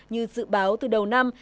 như dự báo từ đầu năm